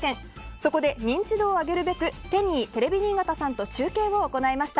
そこで、認知度を上げるべくＴｅＮＹテレビ新潟さんと中継を行いました。